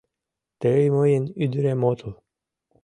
Тый мыйын ӱдырем отыл.